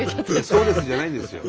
「そうです！」じゃないんですよ。